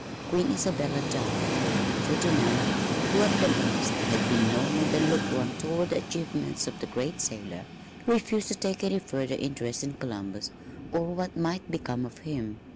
Queen Isabella died, and Ferdinand, who, at the best, had been no more than lukewarm toward the achievements of the great sailor, refused to take any further interest in Columbus or what might become of him.